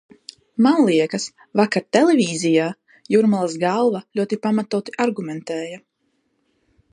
Man liekas, vakar televīzijā Jūrmalas galva ļoti pamatoti argumentēja.